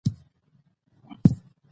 دا سیمه د چک د سیند دواړو خواوو ته پراته دي